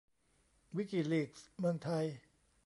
วิกิลีกส์เมืองไทย